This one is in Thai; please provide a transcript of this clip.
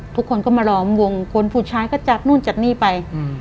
ทุกคนก็มาล้อมวงคนผู้ชายก็จัดนู่นจัดนี่ไป